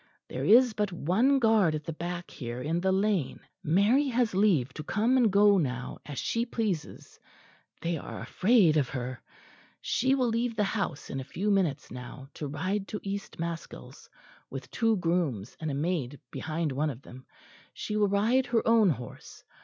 There is but one guard at the back here, in the lane. Mary has leave to come and go now as she pleases they are afraid of her; she will leave the house in a few minutes now to ride to East Maskells, with two grooms and a maid behind one of them. She will ride her own horse.